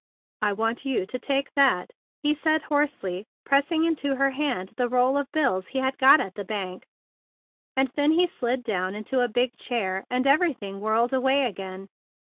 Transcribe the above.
"I want you to take that," he said, hoarsely pressing into her hand the roll of bills he had got at the bank; and then he slid down into a big chair, and every¬ thing whirled away again.